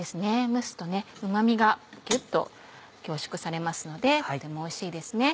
蒸すとうま味がギュっと凝縮されますのでとてもおいしいですね。